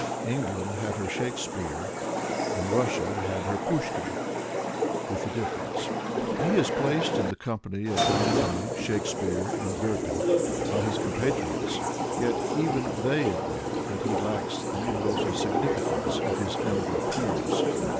England had her Shakespeare, and Russia had her Pushkin, — ^with a dif ference. He is placed in the company of Dante, Shakespeare and Goethe by his compatriots, yet even they admit that he lacks the universal significance of his elder peers.